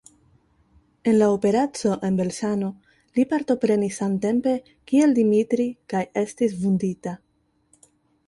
En la operaco en Beslano li partoprenis samtempe kiel Dmitrij kaj estis vundita.